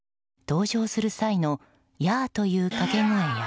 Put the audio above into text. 登場する際のヤー！というかけ声や。